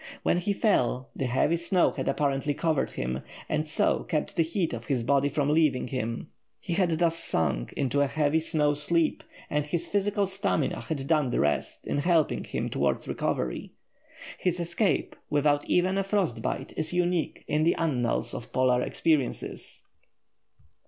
When he fell, the heavy snow had apparently covered him, and so kept the heat of his body from leaving him. He had thus sunk into a heavy snow sleep, and his physical stamina had done the rest in helping him towards recovery. His escape, without even a frost bite, is unique in the annals of Polar experiences.